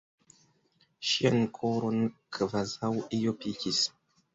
Ŝian koron kvazaŭ io pikis.